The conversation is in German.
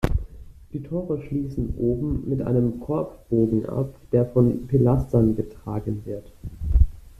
Die Tore schließen oben mit einem Korbbogen ab, der von Pilastern getragen wird.